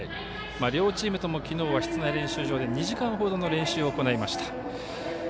両チームとも昨日は室内練習場で２時間ほどの練習を行いました。